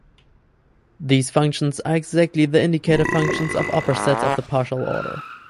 These functions are exactly the indicator functions of upper sets of the partial order.